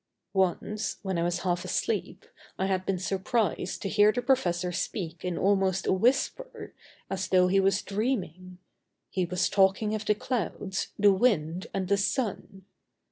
Once, when I was half asleep, I had been surprised to hear the professor speak in almost a whisper, as though he was dreaming. He was talking of the clouds, the wind, and the sun.